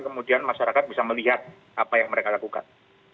kemudian masyarakat bisa melihat apa yang mereka lakukan